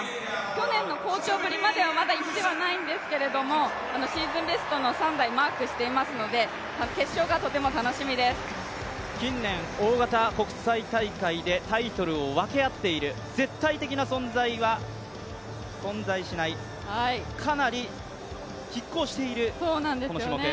去年の好調ぶりまではまだいってないんですけれどもシーズンベストの３台をマークしていますので近年、大型国際大会でタイトルを分け合っている、絶対的な存在は存在しない、かなりきっ抗しているこの種目。